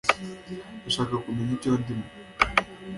Ndashaka kumenya icyo ndimo